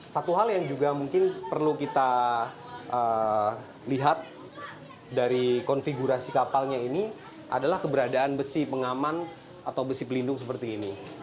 satu hal yang juga mungkin perlu kita lihat dari konfigurasi kapalnya ini adalah keberadaan besi pengaman atau besi pelindung seperti ini